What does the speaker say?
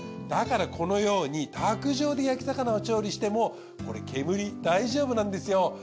だからこのように卓上で焼き魚を調理しても煙大丈夫なんですよ。